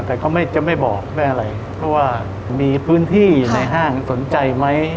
แต่เขาไม่จะไม่บอกไม่อะไรเพราะว่ามีพื้นที่ในห้างสนใจไหม